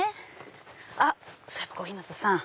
あっそういえば小日向さん。